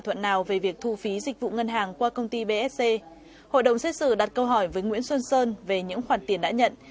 hội đồng xét xử đặt câu hỏi với nguyễn xuân sơn về những khoản tiền đã nhận